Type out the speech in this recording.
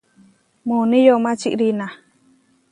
Muuní yomá čiʼrína.